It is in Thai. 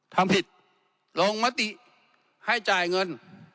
ทำผิดลงมติให้จ่ายเงิน